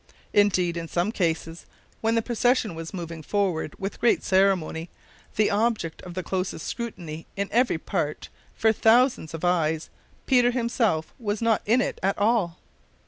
Indeed, in some cases, when the procession was moving forward with great ceremony, the object of the closest scrutiny in every part for thousands of eyes, Peter himself was not in it at all.